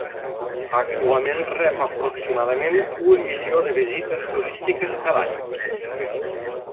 Actualment rep aproximadament un milió de visites turístiques cada any.